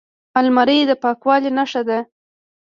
الماري د پاکوالي نښه ده